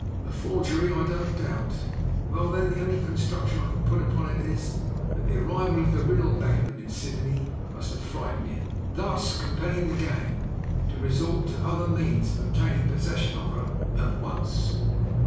"A forgery, I don't doubt. Well, then, the only construction I can put upon it is that the arrival of the real Beckenham in Sydney must have frightened him, thus compelling the gang to resort to other means of obtaining possession of her at once.